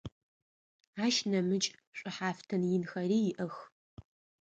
Ащ нэмыкӏ шӏухьафтын инхэри иӏэх.